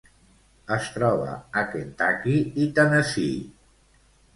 Es troba a Kentucky i Tennessee.